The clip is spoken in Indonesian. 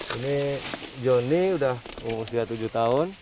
ini johnny udah usia tujuh tahun